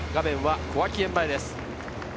画面は小涌園前です。